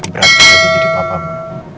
berarti udah jadi papa ma